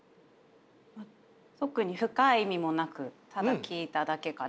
特に深い意味もなくただ聞いただけかなというふうに。